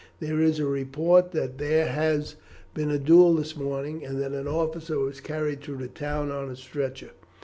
There is a report that there has been a duel this morning, and that an officer was carried through the town on a stretcher."